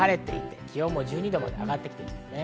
気温も１２度まで上がってきています。